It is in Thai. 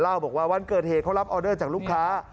บอกว่าวันเกิดเหตุเขารับออเดอร์จากลูกค้า